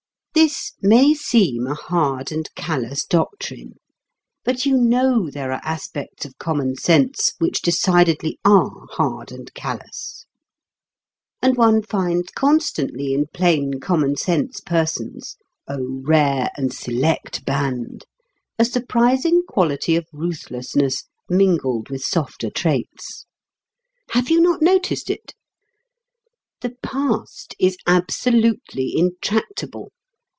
This may seem a hard and callous doctrine, but you know there are aspects of common sense which decidedly are hard and callous. And one finds constantly in plain common sense persons (O rare and select band!) a surprising quality of ruthlessness mingled with softer traits. Have you not noticed it? The past is absolutely intractable.